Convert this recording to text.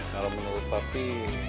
kalau menurut papi